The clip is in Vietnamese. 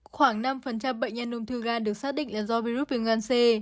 khoảng năm bệnh nhân ung thư gan được xác định là do virus viêm gan c